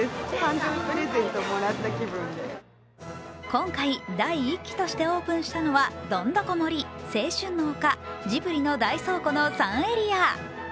今回、第一期としてオープンしたのは、どんどこ森青春の丘、ジブリの大倉庫の３エリア。